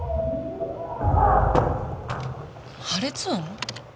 「」「」破裂音？